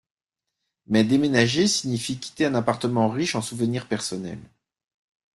Mais déménager signifie quitter un appartement riche en souvenirs personnels…